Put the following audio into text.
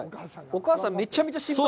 お母さん、めちゃめちゃ。